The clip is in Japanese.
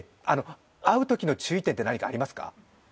会うときの注意点って何かありますか？